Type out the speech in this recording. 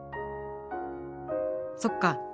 そっか。